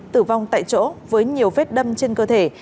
tử vong tại chỗ với nhiều vết đâm trên cơ thể